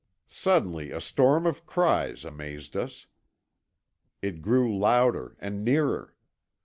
Suddenly a storm of cries amazed us. It grew louder and nearer.